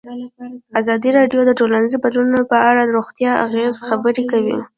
ازادي راډیو د ټولنیز بدلون په اړه د روغتیایي اغېزو خبره کړې.